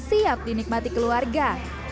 siap dinikmati keluarga